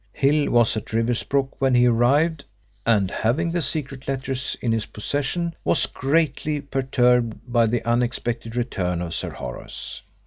Hill was at Riversbrook when he arrived, and having the secret letters in his possession, was greatly perturbed by the unexpected return of Sir Horace.